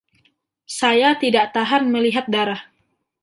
Saya tidak tahan melihat darah.